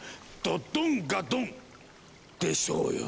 ドドンガドン！でしょうよ。